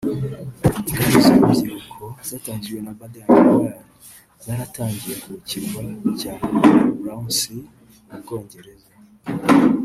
Ingando z’urubyiruko zatangijwe na Baden Powell zaratangiye ku kirwa cya Brownsea mu Bwongereza